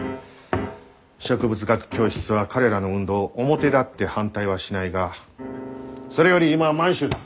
植物学教室は彼らの運動を表立って反対はしないがそれより今は満州だ。